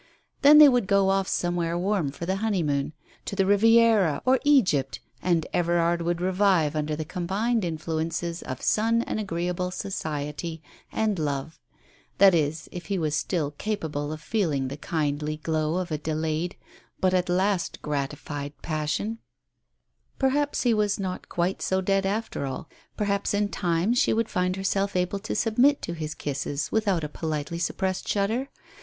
Then they would go off somewhere warm for the honeymoon, to the Riviera or Egypt, and Everard would revive under the combined influences of sun and agreeable society, and love — that is, if he was still capable of feeling the kindly glow of a delayed, but at last gratified passion. Digitized by Google 28 TALES OF THE UNEASY Perhaps he was not quite so dead after all ; perhaps in time she would find herself able to submit to his kisses without a politely suppressed shudder